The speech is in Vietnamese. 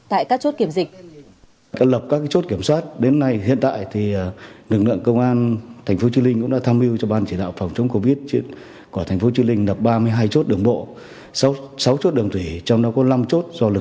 tại các chốt kiểm dịch